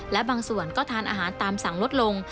และบางส่วนก็ทานอาหารตามสั่งลดลง